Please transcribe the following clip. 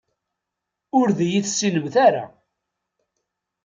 Ur d-iyi-tessinemt ara.